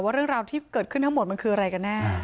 เรื่องราวที่เกิดขึ้นทั้งหมดมันคืออะไรกันแน่